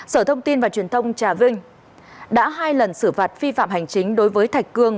sở thông tin và truyền thông trà vinh đã hai lần xử phạt vi phạm hành chính đối với thạch cương